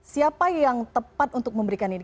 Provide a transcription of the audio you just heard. siapa yang tepat untuk memberikan ini